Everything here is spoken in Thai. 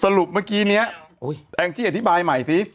เมื่อกี้นี้แองจี้อธิบายใหม่สิ